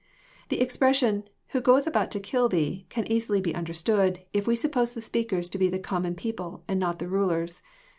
The expression, " who goeth about to kill Thee," can easily be understood, if we suppose the speakers to be the common people, and not the rulers.